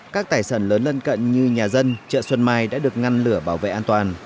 các tài sản lớn lân cận như nhà dân chợ xuân mai đã được ngăn lửa bảo vệ an toàn